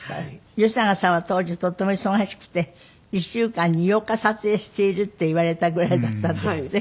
吉永さんは当時とっても忙しくて１週間に８日撮影しているって言われたぐらいだったんですって？